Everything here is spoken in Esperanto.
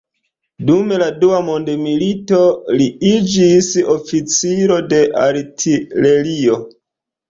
Dum la Dua Mondmilito, li iĝis oficiro de artilerio.